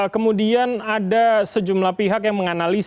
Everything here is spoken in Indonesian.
kemudian ada sejumlah pihak yang menganalisis